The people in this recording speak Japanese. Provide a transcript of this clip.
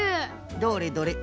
どれどれ。